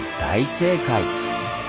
大正解！